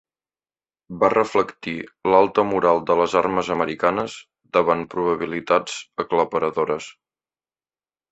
Va reflectir l'alta moral de les armes americanes davant probabilitats aclaparadores.